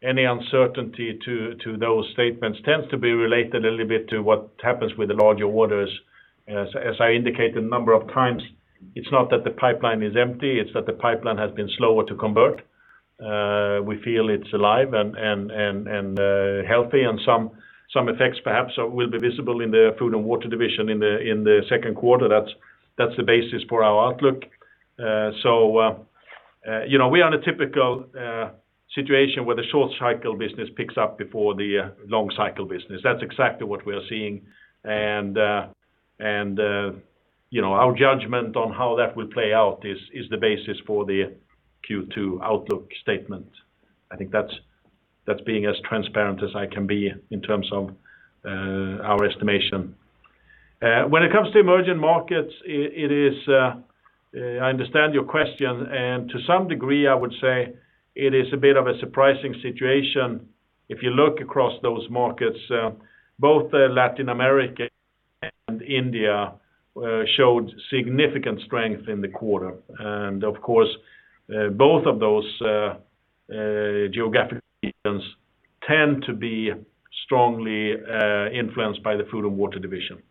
S1: any uncertainty to those statements tends to be related a little bit to what happens with the larger orders. As I indicated a number of times, it's not that the pipeline is empty, it's that the pipeline has been slower to convert. We feel it's alive and healthy, and some effects perhaps will be visible in the Food & Water division in the second quarter. That's the basis for our outlook. We are in a typical situation where the short cycle business picks up before the long cycle business. That's exactly what we are seeing, and our judgment on how that will play out is the basis for the Q2 outlook statement. I think that's being as transparent as I can be in terms of our estimation. When it comes to emerging markets, I understand your question, to some degree, I would say it is a bit of a surprising situation. If you look across those markets, both Latin America and India showed significant strength in the quarter. Of course, both of those geographic regions tend to be strongly influenced by the food and water division.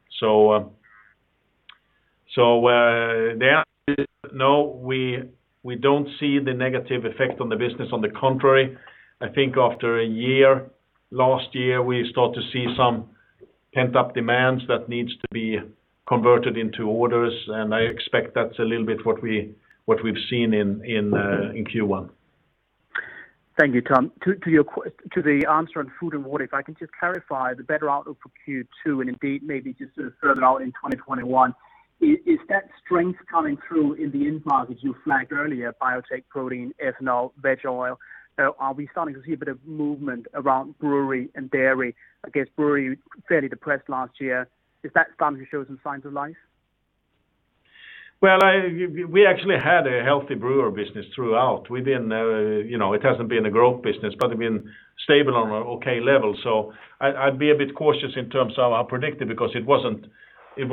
S1: The answer is no, we don't see the negative effect on the business. On the contrary, I think after a year, last year, we start to see some pent-up demands that needs to be converted into orders, and I expect that's a little bit what we've seen in Q1.
S10: Thank you, Tom. To the answer on food and water, if I can just clarify the better outlook for Q2, and indeed maybe just further out in 2021. Is that strength coming through in the end markets you flagged earlier, biotech, protein, ethanol, veg oil? Are we starting to see a bit of movement around brewery and dairy? I guess brewery fairly depressed last year. Is that starting to show some signs of life?
S1: Well, we actually had a healthy brewer business throughout. It hasn't been a growth business, but been stable on an okay level. I'd be a bit cautious in terms of our predictive, because it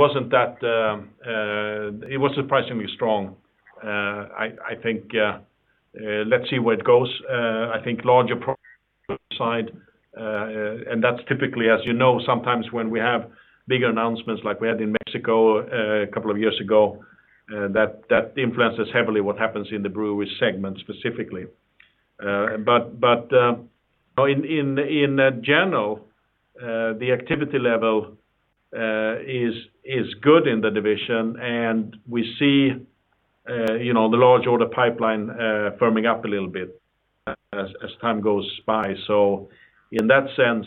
S1: was surprisingly strong. I think, let's see where it goes. I think larger side, and that's typically, as you know, sometimes when we have bigger announcements, like we had in Mexico a couple of years ago, that influences heavily what happens in the brewery segment specifically. In general, the activity level is good in the division, and we see the large order pipeline firming up a little bit as time goes by. In that sense,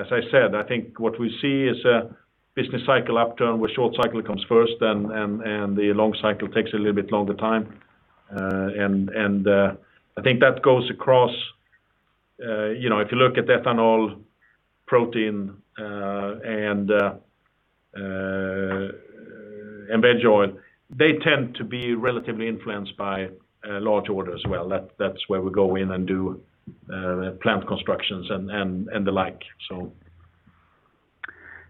S1: as I said, I think what we see is a business cycle upturn, where short cycle comes first, and the long cycle takes a little bit longer time. I think that goes across if you look at ethanol, protein, and veg oil, they tend to be relatively influenced by large orders as well. That's where we go in and do plant constructions and the like.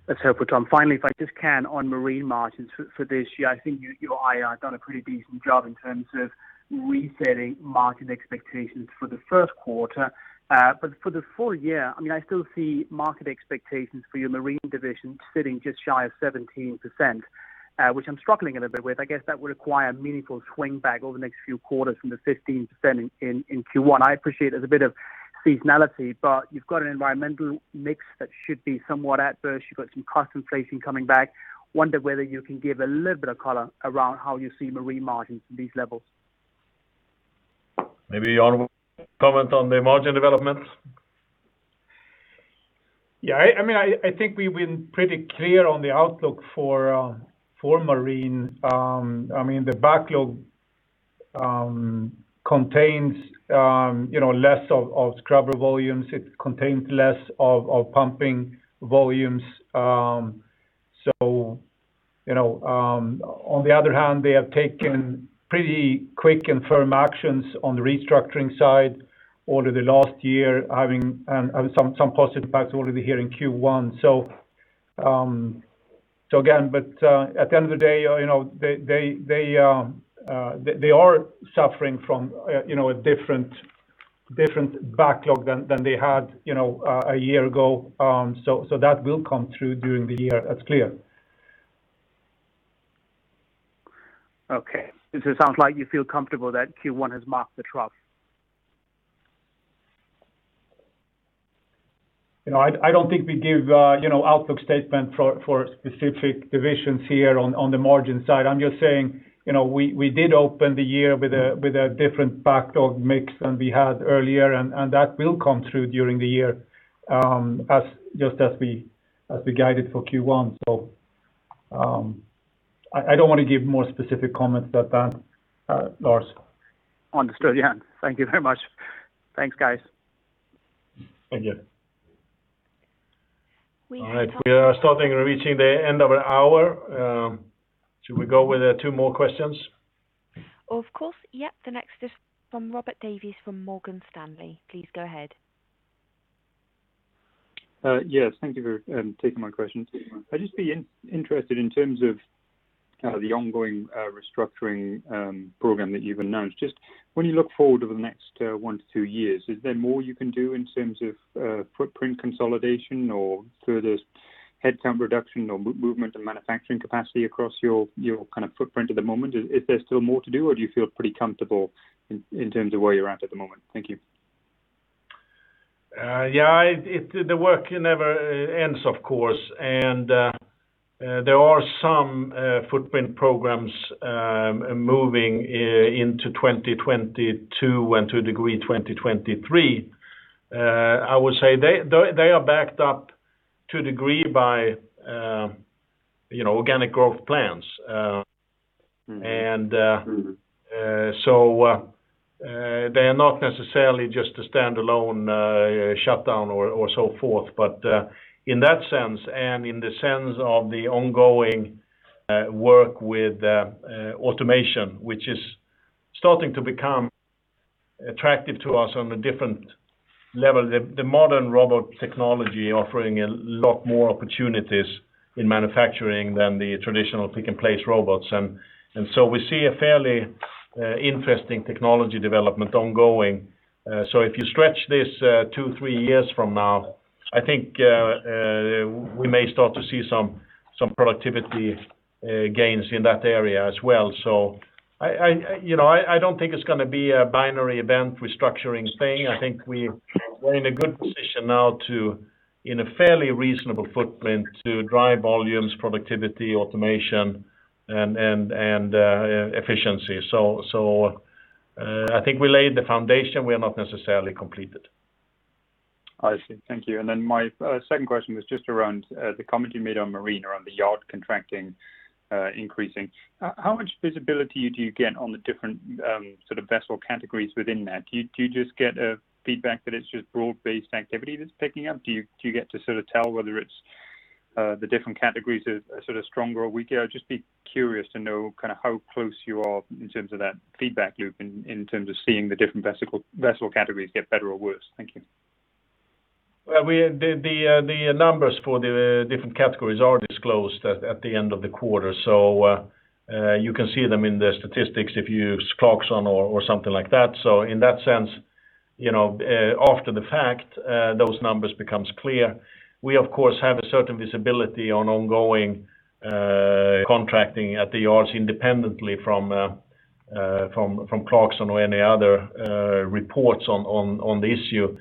S10: That's helpful, Tom. Finally, if I just can, on marine margins for this year, I think you and I have done a pretty decent job in terms of resetting market expectations for the first quarter. For the full year, I still see market expectations for your marine division sitting just shy of 17%, which I'm struggling a little bit with. I guess that would require a meaningful swing back over the next few quarters from the 15% in Q1. I appreciate there's a bit of seasonality, but you've got an environmental mix that should be somewhat adverse. You've got some cost inflation coming back. Wonder whether you can give a little bit of color around how you see marine margins at these levels.
S1: Maybe Jan will comment on the margin developments?
S2: Yeah. I think we've been pretty clear on the outlook for marine. The backlog contains less of PureSOx volumes, it contains less of pumping volumes. On the other hand, they have taken pretty quick and firm actions on the restructuring side over the last year, having some positive impacts already here in Q1. Again, at the end of the day, they are suffering from a different backlog than they had a year ago. That will come through during the year, that's clear.
S10: Okay. It sounds like you feel comfortable that Q1 has marked the trough.
S2: I don't think we give outlook statement for specific divisions here on the margin side. I'm just saying we did open the year with a different backlog mix than we had earlier, and that will come through during the year, just as we guided for Q1. I don't want to give more specific comments than that, Lars.
S10: Understood. Yeah. Thank you very much. Thanks, guys.
S1: Thank you. All right. We are starting reaching the end of our hour. Should we go with two more questions?
S3: Of course. Yep. The next is from Robert Davies from Morgan Stanley. Please go ahead.
S11: Yes, thank you for taking my question. I'd just be interested in terms of the ongoing restructuring program that you've announced, just when you look forward over the next one to two years, is there more you can do in terms of footprint consolidation or further headcount reduction or movement of manufacturing capacity across your footprint at the moment? Is there still more to do, or do you feel pretty comfortable in terms of where you're at the moment? Thank you.
S1: Yeah. The work never ends, of course. There are some footprint programs moving into 2022 and to a degree, 2023. I would say they are backed up to a degree by organic growth plans. They are not necessarily just a standalone shutdown or so forth. In that sense and in the sense of the ongoing work with automation, which is starting to become attractive to us on a different level, the modern robot technology offering a lot more opportunities in manufacturing than the traditional pick-and-place robots. We see a fairly interesting technology development ongoing. If you stretch this two, three years from now, I think I may start to see some productivity gains in that area as well. I don't think it's going to be a binary event restructuring thing. I think we're in a good position now to, in a fairly reasonable footprint, to drive volumes, productivity, automation, and efficiency. I think we laid the foundation. We are not necessarily completed.
S11: I see. Thank you. My second question was just around the comment you made on marine, around the yard contracting increasing. How much visibility do you get on the different sort of vessel categories within that? Do you just get feedback that it's just broad-based activity that's picking up? Do you get to tell whether it's the different categories are sort of stronger or weaker? I'd just be curious to know kind of how close you are in terms of that feedback loop in terms of seeing the different vessel categories get better or worse. Thank you.
S1: Well, the numbers for the different categories are disclosed at the end of the quarter, so you can see them in the statistics if you use Clarksons or something like that. In that sense, after the fact, those numbers becomes clear. We of course have a certain visibility on ongoing contracting at the yards independently from Clarksons or any other reports on the issue.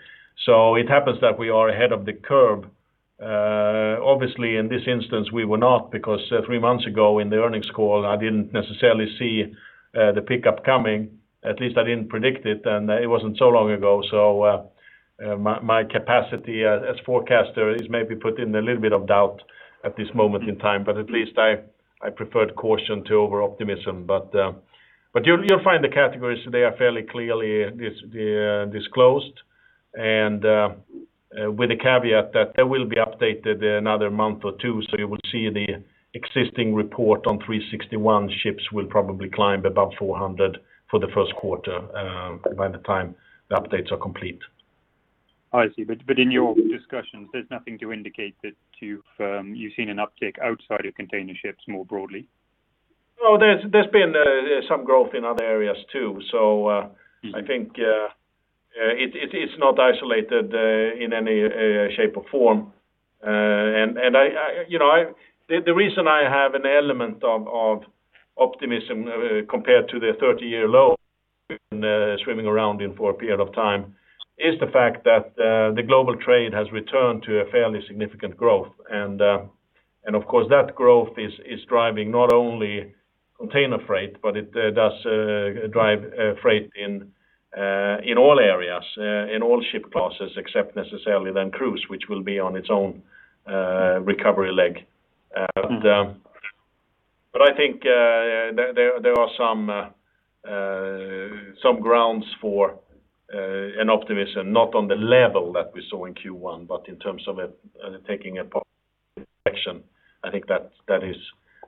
S1: It happens that we are ahead of the curve. Obviously, in this instance, we were not, because three months ago in the earnings call, I didn't necessarily see the pickup coming. At least I didn't predict it wasn't so long ago. My capacity as forecaster is maybe put in a little bit of doubt at this moment in time, at least I preferred caution to over-optimism. You'll find the categories, they are fairly clearly disclosed, and with the caveat that they will be updated another month or two. You will see the existing report on 361 ships will probably climb above 400 for the first quarter by the time the updates are complete.
S11: I see. In your discussions, there's nothing to indicate that you've seen an uptick outside of container ships more broadly?
S1: Well, there's been some growth in other areas, too. I think it's not isolated in any shape or form. The reason I have an element of optimism compared to the 30-year low that's been swimming around in for a period of time, is the fact that the global trade has returned to a fairly significant growth. Of course, that growth is driving not only container freight, but it does drive freight in all areas, in all ship classes, except necessarily then cruise, which will be on its own recovery leg. I think there are some grounds for an optimism, not on the level that we saw in Q1, but in terms of it taking a portion. I think that is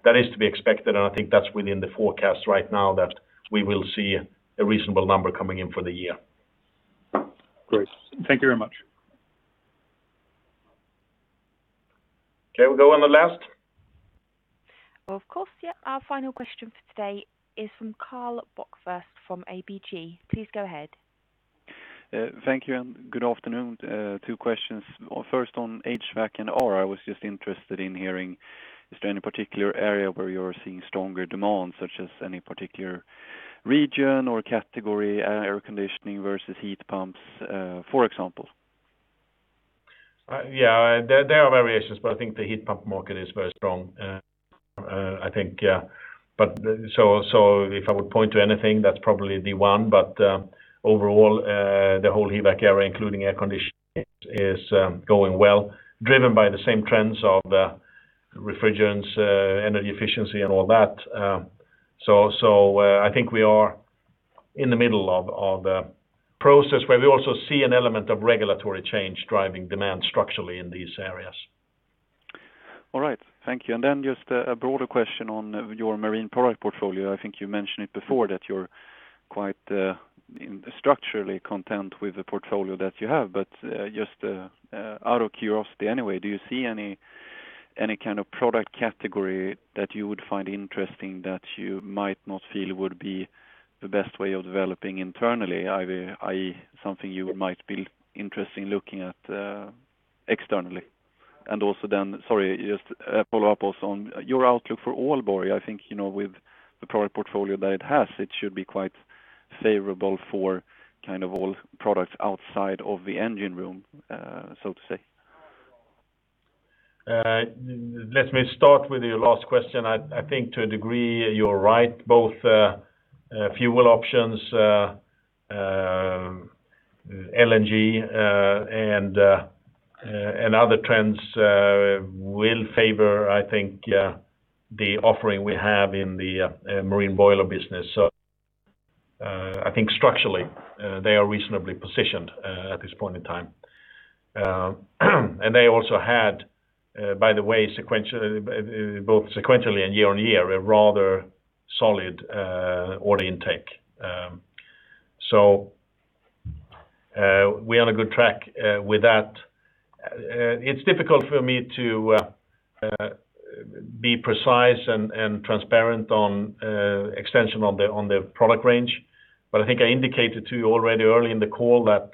S1: to be expected, and I think that's within the forecast right now that we will see a reasonable number coming in for the year.
S11: Great. Thank you very much.
S1: Okay, we go on the last.
S3: Of course. Yep. Our final question for today is from Karl Bokvist from ABG. Please go ahead.
S12: Thank you. Good afternoon. Two questions. First on HVAC&R, I was just interested in hearing, is there any particular area where you're seeing stronger demand, such as any particular region or category, air conditioning versus heat pumps, for example?
S1: Yeah, there are variations, but I think the heat pump market is very strong. If I would point to anything, that's probably the one. Overall, the whole HVAC area, including air conditioning, is going well, driven by the same trends of refrigerants, energy efficiency and all that. I think we are in the middle of a process where we also see an element of regulatory change driving demand structurally in these areas.
S12: All right, thank you. Then just a broader question on your marine product portfolio. I think you mentioned it before that you're quite structurally content with the portfolio that you have. Just out of curiosity anyway, do you see any kind of product category that you would find interesting that you might not feel would be the best way of developing internally, i.e., something you might be interested in looking at externally? Also then, sorry, just a follow-up also on your outlook for Aalborg. I think with the product portfolio that it has, it should be quite favorable for all products outside of the engine room, so to say.
S1: Let me start with your last question. I think to a degree, you're right, both fuel options, LNG, and other trends will favor, I think, the offering we have in the marine boiler business. I think structurally, they are reasonably positioned at this point in time. They also had, by the way both sequentially and year-on-year, a rather solid order intake. We're on a good track with that. It's difficult for me to be precise and transparent on extension on the product range. I think I indicated to you already early in the call that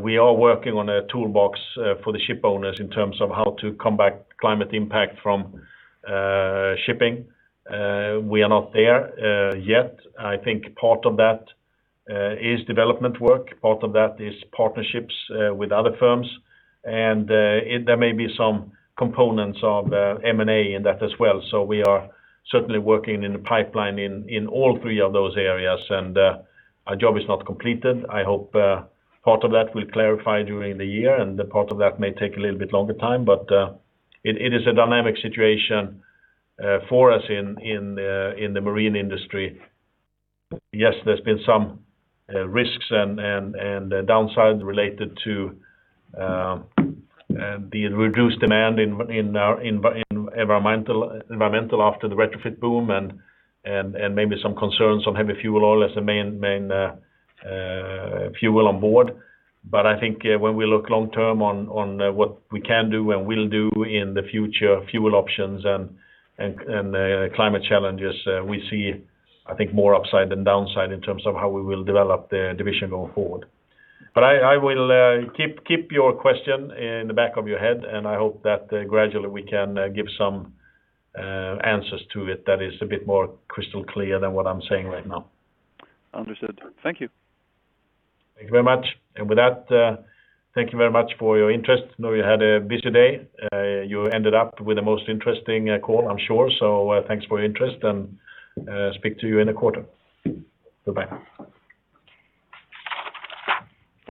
S1: we are working on a toolbox for the ship owners in terms of how to combat climate impact from shipping. We are not there yet. I think part of that is development work. Part of that is partnerships with other firms. There may be some components of M&A in that as well. We are certainly working in the pipeline in all three of those areas, and our job is not completed. I hope part of that will clarify during the year, and the part of that may take a little bit longer time. It is a dynamic situation for us in the marine industry. Yes, there's been some risks and downside related to the reduced demand in environmental after the retrofit boom and maybe some concerns on heavy fuel oil as the main fuel on board. I think when we look long term on what we can do and will do in the future fuel options and climate challenges, we see, I think, more upside than downside in terms of how we will develop the division going forward. I will keep your question in the back of your head, and I hope that gradually we can give some answers to it that is a bit more crystal clear than what I'm saying right now.
S12: Understood. Thank you.
S1: Thank you very much. With that, thank you very much for your interest. I know you had a busy day. You ended up with the most interesting call, I'm sure. Thanks for your interest, and speak to you in a quarter. Bye-bye.